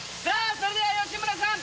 それでは吉村さん